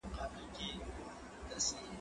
زه به د کتابتوننۍ سره خبري کړي وي!.